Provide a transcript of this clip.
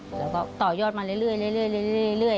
เราก็ต่อยอดไปเรื่อย